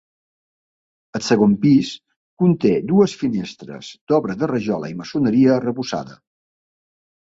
El segon pis conté dues finestres d'obra de rajola i maçoneria arrebossada.